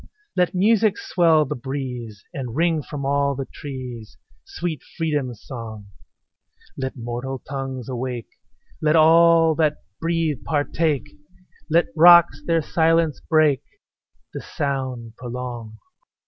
Let music swell the breeze, And ring from all the trees Sweet freedom's song; Let mortal tongues awake; Let all that breathe partake; Let rocks their silence break The sound prolong.